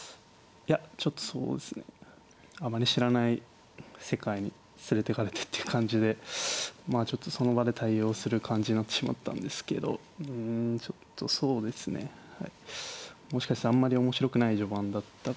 いやちょっとそうですねあまり知らない世界に連れてかれてって感じでまあちょっとその場で対応する感じになってしまったんですけどうんちょっとそうですねはいもしかしたらあんまり面白くない序盤だったかもしれないですね。